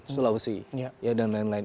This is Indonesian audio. sulawesi dan lain lain